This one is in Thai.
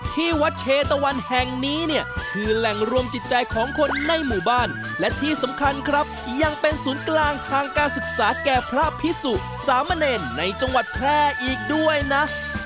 ที่วัดเชตะวันแห่งนี้เนี่ยคือแหล่งรวมจิตใจของคนในหมู่บ้านและที่สำคัญครับยังเป็นศูนย์กลางทางการศึกษาแก่พระพิสุสามเณรในจังหวัดแพร่อีกด้วยนะ